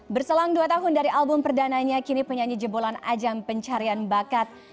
berselang dua tahun dari album perdananya kini penyanyi jebolan ajang pencarian bakat